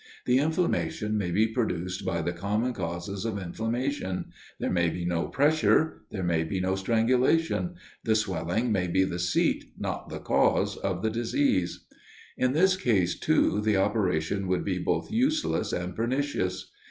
The inflammation may be produced by the common causes of inflammation; there may be no pressure: there may be no strangulation: the swelling may be the seat, not the cause of the disease. In this case, too, the operation would be both useless and pernicious.